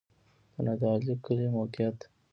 د نادعلي کلی موقعیت